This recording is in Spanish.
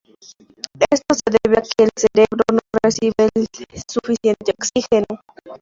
Esto se debe a que el cerebro no recibe el suficiente oxígeno.